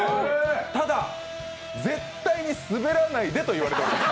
ただ、絶対にスベらないでと言われています。